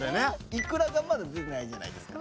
イクラがまだ出てないじゃないですか。